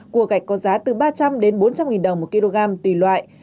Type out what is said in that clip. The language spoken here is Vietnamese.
cua gạch có giá từ ba trăm linh bốn trăm linh đồng một kg tùy loại